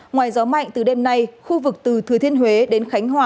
ngoài gió mạnh từ đêm nay khu vực từ thừa thiên huế đến khánh hòa